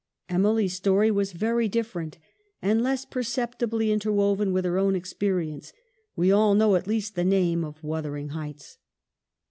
Emily's story was very different, and less perceptibly in terwoven with her own experience. We all know at least the name of ' Wuthering Heights.'